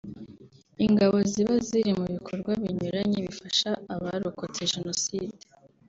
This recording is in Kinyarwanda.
ingabo ziba ziri mu bikorwa binyuranye bifasha abarokotse jenoside